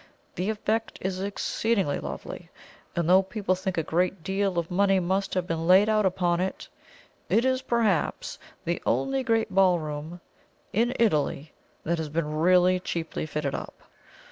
The effect is exceedingly lovely; and though people think a great deal of money must have been laid out upon it, it is perhaps the only great ballroom in Italy that has been really cheaply fitted up.